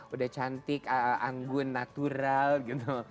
udah cantik anggun natural gitu